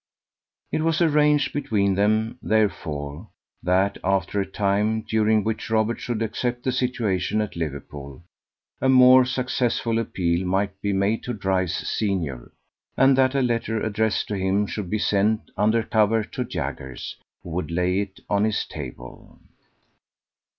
It was arranged between them, therefore, that, after a time, during which Robert should accept the situation at Liverpool, a more successful appeal might be made to Dryce senior, and that a letter addressed to him should be sent under cover to Jaggers, who would lay it on his table.